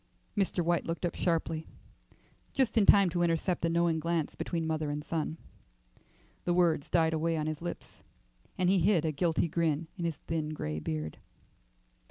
Mr. White looked up sharply, just in time to intercept a knowing glance between mother and son. The words died away on his lips, and he hid a guilty grin in his thin grey beard.